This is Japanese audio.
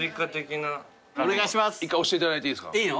１回押していただいていいですか？